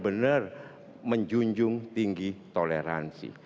yang benar benar menjunjung tinggi toleransi